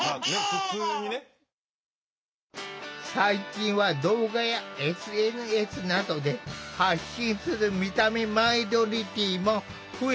最近は動画やＳＮＳなどで発信する見た目マイノリティーも増えている。